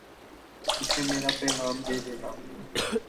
اسے میرا پیغام دے دینا